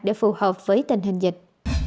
để phù hợp với tình hình dịch